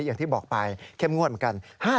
อย่างที่บอกไปเข้มงวดเหมือนกัน